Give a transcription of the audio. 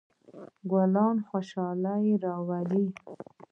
ګلان خوشحالي راولي.